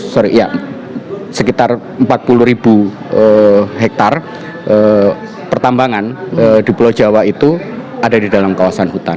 empat ratus sorry ya sekitar empat puluh hektar pertambangan di pulau jawa itu ada di dalam kawasan hutan